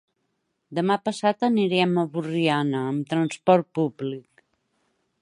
Demà passat anirem a Borriana amb transport públic.